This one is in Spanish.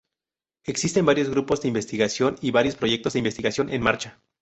Existen varios grupos de investigación y varios proyectos de investigación en marcha.